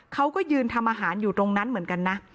เขาก็ยืนทำอาหารอยู่ตรงนั้นเหมือนกันนะ